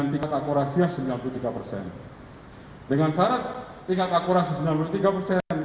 jadi untuk setelah saya berkomunikasi dengan deskus lapor dan juga operator poligraf